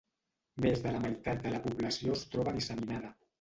Més de la meitat de la població es troba disseminada.